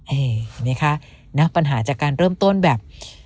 เห็นไหมคะณปัญหาจากการเริ่มต้นแบบ